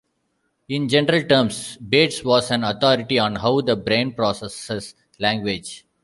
In general terms, Bates was an authority on how the brain processes language.